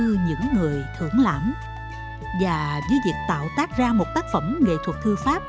thư pháp cũng như những người thưởng lãm và với việc tạo tác ra một tác phẩm nghệ thuật thư pháp